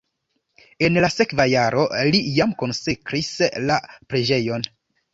En la sekva jaro li jam konsekris la preĝejon.